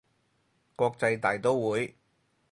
國際大刀會